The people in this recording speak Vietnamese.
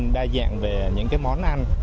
bên mình đa dạng về những món ăn